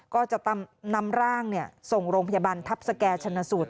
ก็จะนำร่างส่งโรงพยาบาลทัพสแก่ชนสูตร